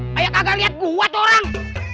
kayak kagak liat gua sorang